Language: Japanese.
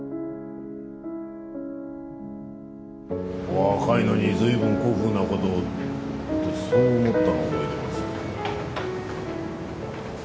「若いのに随分古風なことを」ってそう思ったのを覚えてます。